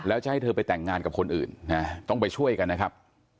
แล้วจะให้เธอไปแต่งงานกับคนอื่นต้องไปช่วยกันนะครับ